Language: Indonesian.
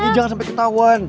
jangan sampe ketauan